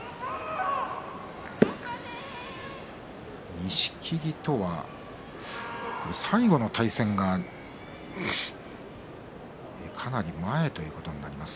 錦木とは最後の対戦がかなり前ということになります。